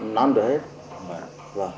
làm được hết